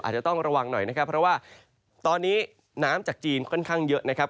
อาจจะต้องระวังหน่อยนะครับเพราะว่าตอนนี้น้ำจากจีนค่อนข้างเยอะนะครับ